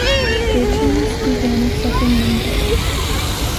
Jurchens began accepting Ming titles.